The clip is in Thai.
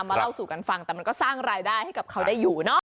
เล่าสู่กันฟังแต่มันก็สร้างรายได้ให้กับเขาได้อยู่เนอะ